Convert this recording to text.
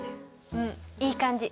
うんいい感じ。